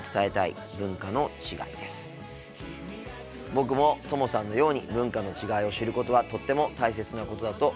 僕もともさんのように文化の違いを知ることはとっても大切なことだと思います。